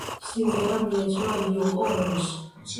სიმღერა მიეძღვნა იოკო ონოს.